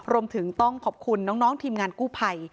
รวมถึงต้องขอบคุณน้องทีมงานกู้ภัย